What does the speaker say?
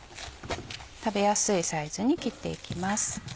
食べやすいサイズに切っていきます。